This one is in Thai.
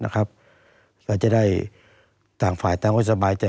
ก็จะได้ต่างฝ่ายต่างก็สบายใจ